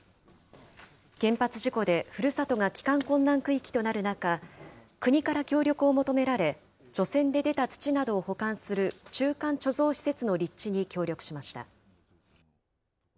原発事故でふるさとが帰還困難区域となる中、国から協力を求められ、除染で出た土などを保管する中間貯蔵施設の立地に協力しまし